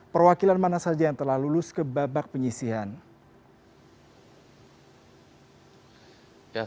perwakilan mana saja yang telah lulus ke babak penyisihan